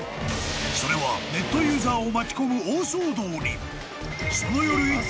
［それはネットユーザーを巻き込む大騒動に］